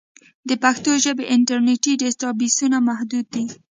د پښتو ژبې انټرنیټي ډیټابېسونه محدود دي.